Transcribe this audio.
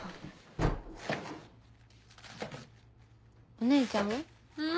お姉ちゃん。